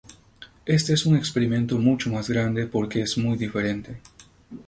Este es un experimento mucho más grande porque es muy diferente".